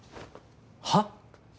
はっ？